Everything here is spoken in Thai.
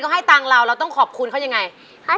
ให้ตังค์เราเราต้องขอบคุณเขายังไง